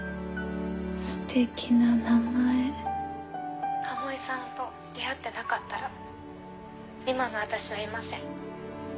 ステキな名前鴨居さんと出会ってなかったら今の私はいません。